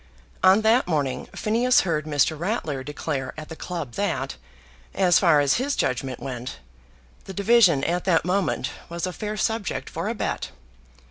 On that morning Phineas heard Mr. Ratler declare at the club that, as far as his judgment went, the division at that moment was a fair subject for a bet.